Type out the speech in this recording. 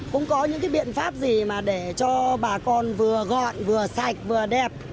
cũng có những cái biện pháp gì mà để cho bà con vừa gọn vừa sạch vừa đẹp